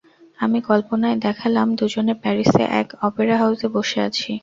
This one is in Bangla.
আমি কল্পনায় দেখালাম দুজনে প্যারিসে, এক অপেরা হাউজে বসে আছি।